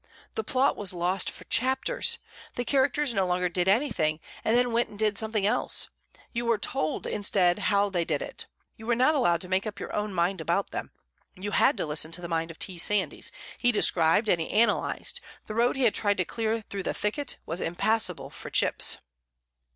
The plot was lost for chapters. The characters no longer did anything, and then went and did something else: you were told instead how they did it. You were not allowed to make up your own mind about them: you had to listen to the mind of T. Sandys; he described and he analyzed; the road he had tried to clear through the thicket was impassable for chips.